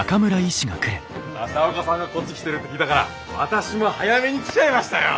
朝岡さんがこっち来てるって聞いたから私も早めに来ちゃいましたよ！